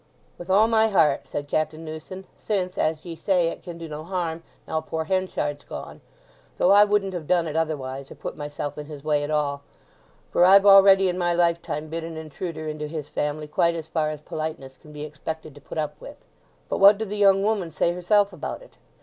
"With all my heart," said Captain Newson; "since, as ye say, it can do no harm, now poor Henchard's gone; though I wouldn't have done it otherwise, or put myself in his way at all; for I've already in my lifetime been an intruder into his family quite as far as politeness can be expected to put up with. But what do the young woman say herself about it?